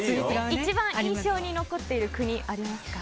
一番印象に残っている国ありますか？